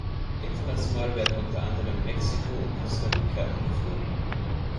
International werden unter anderem Mexiko und Costa Rica angeflogen.